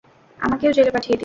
আমাকেও জেলে পাঠিয়ে দিন।